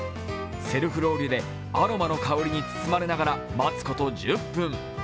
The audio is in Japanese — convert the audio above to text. セルフロウリュでアロマの香りに包まれながら待つこと１０分。